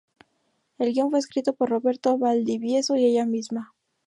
El guión fue escrito por Roberto Valdivieso y ella misma.